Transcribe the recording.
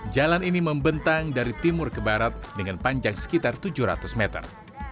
jalan ini membentang dari timur ke barat dengan panjang sekitar tujuh ratus meter